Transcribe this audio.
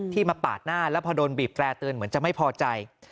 มาปาดหน้าแล้วพอโดนบีบแตร่เตือนเหมือนจะไม่พอใจ